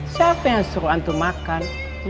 siapa yang suruh antu makan